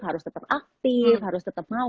harus tetap aktif harus tetap mau